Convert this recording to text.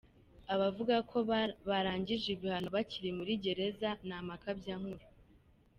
Abavuga ko barangije ibihano bakiri muri gereza ni amakabyankuru